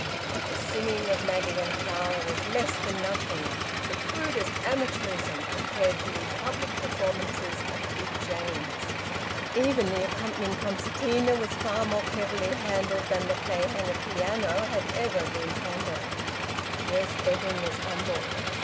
But the singing of Maggie and Clara was less than nothing, the crudest amateurism, compared to these public performances of Big James's. Even the accompanying concertina was far more cleverly handled than the Clayhanger piano had ever been handled. Yes, Edwin was humbled.